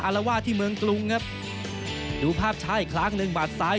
ละวาดที่เมืองกรุงครับดูภาพช้าอีกครั้งหนึ่งบาดซ้าย